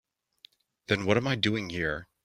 Then what am I doing here?